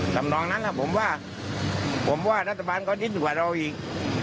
ทำนองนั้นผมว่าผมว่ารัฐบาลเขาดิ้นกว่าเราอีก